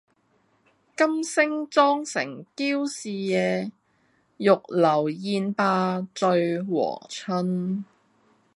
金星妝成嬌侍夜，玉樓宴罷醉和春。